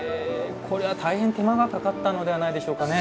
これは大変手間がかかったのではないでしょうかね。